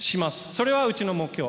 それはうちの目標。